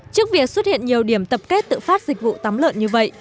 trước việc xuất hiện nhiều điểm tập kết tự phát dịch vụ tắm lợn như vậy